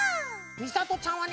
みさとちゃんはね